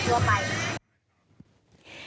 เหมือนเด็กปกติตลอดไป